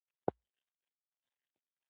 • په انجینرۍ کې نوي مواد وکارول شول.